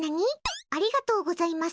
ありがとうございます。